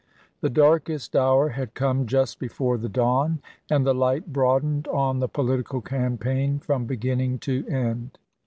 The darkest hour had come just before the dawn, and the light broadened on the political campaign from beginning to end.